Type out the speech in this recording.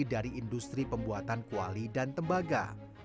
dari industri pembuatan kuali dan tembaga